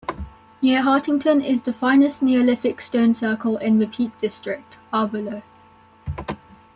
Near Hartington is the finest neolithic stone circle in the Peak District, Arbor Low.